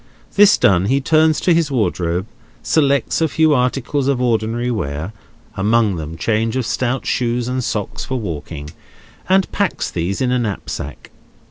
This done, he turns to his wardrobe, selects a few articles of ordinary wear—among them, change of stout shoes and socks for walking—and packs these in a knapsack.